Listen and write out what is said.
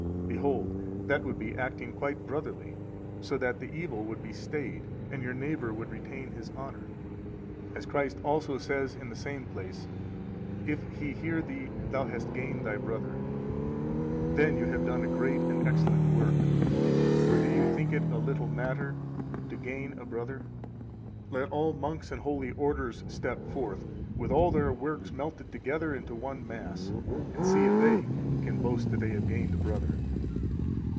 Behold, that would be acting quite brotherly, so that the evil would be stayed, and your neighbor would retain his honor. As Christ also says in the same place: If he hear thee, thou hast gained thy brother. Then you have done a great and excellent work; for do you think it is a little matter to gain a brother? Let all monks and holy orders step forth, with all their works melted together into one mass, and see if they can boast that they have gained a brother.